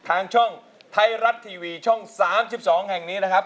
ทางช่องไทยรัฐทีวีช่อง๓๒แห่งนี้นะครับ